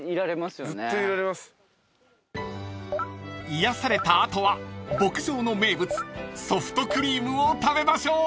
［癒やされた後は牧場の名物ソフトクリームを食べましょう］